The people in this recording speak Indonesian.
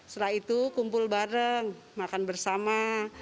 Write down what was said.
setelah itu kumpul bareng makan bersama